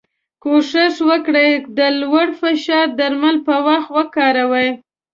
کوښښ وکړی د لوړ فشار درمل په وخت وکاروی.